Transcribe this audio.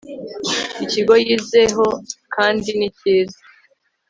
ikigo yizeho kandi nikiza